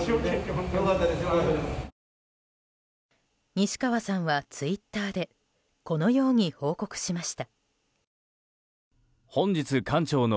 西川さんはツイッターでこのように報告しました。